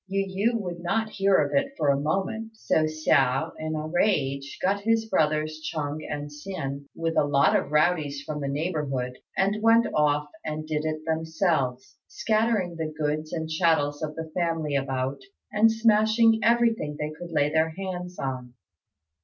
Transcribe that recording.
Yu yü would not hear of it for a moment; so Hsiao in a rage got his brothers Chung and Hsin, with a lot of rowdies from the neighbourhood, and went off and did it themselves, scattering the goods and chattels of the family about, and smashing everything they could lay their hands on.